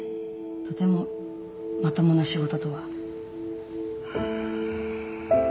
とてもまともな仕事とは。